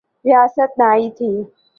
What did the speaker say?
ریاست نئی تھی۔